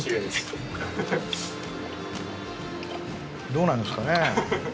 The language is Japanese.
どうなんですかね。